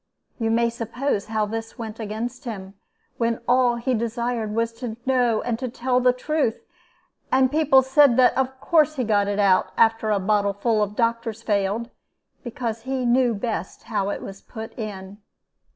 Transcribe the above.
You may suppose how this went against him, when all he desired was to know and tell the truth; and people said that of course he got it out, after a bottleful of doctors failed, because he knew best how it was put in.'